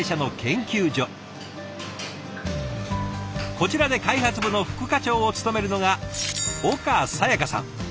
こちらで開発部の副課長を務めるのが岡哉耶花さん。